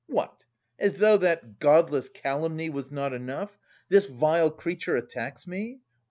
"What! As though that godless calumny was not enough this vile creature attacks me!